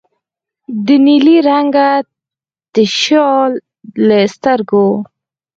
د نیلي رنګه تشیال له سترګو